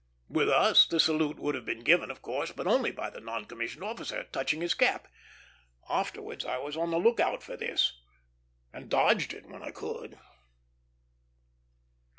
With us the salute would have been given, of course; but only by the non commissioned officer, touching his cap. Afterwards I was on the lookout for this, and dodged it when I could.